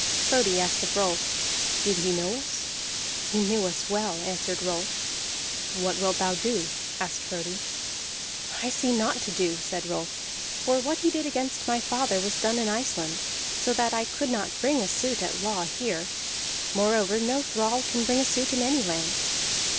Frodi asked of Rolf: "Did he know us?" "He knew us well," answered Rolf. "What wilt thou do?" asked Frodi. "I see naught to do," said Rolf. "For what he did against my father was done in Iceland, so that I could not bring a suit at law here. Moreover, no thrall can bring a suit in any land."